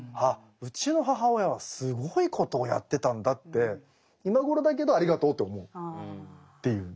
うちの母親はすごいことをやってたんだって今頃だけどありがとうと思うっていう。